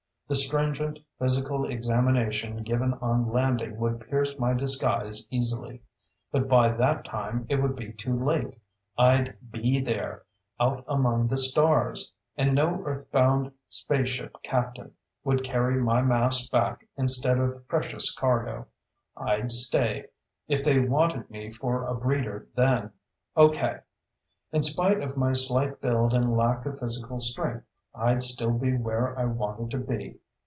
The stringent physical examination given on landing would pierce my disguise easily. But by that time it would be too late. I'd be there, out among the stars. And no Earthbound spaceship captain would carry my mass back instead of precious cargo. I'd stay. If they wanted me for a breeder then okay. In spite of my slight build and lack of physical strength, I'd still be where I wanted to be.